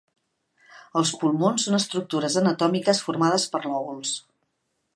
Els pulmons són estructures anatòmiques formades per lòbuls.